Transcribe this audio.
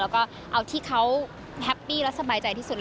แล้วก็เอาที่เขาแฮปปี้และสบายใจที่สุด